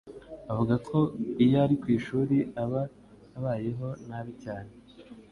Avuga ko iyo ari kwishuri aba abayeho nabi cyane